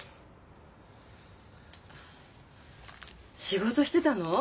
仕事してたの？